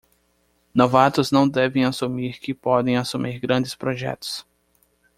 Novatos não devem assumir que podem assumir grandes projetos.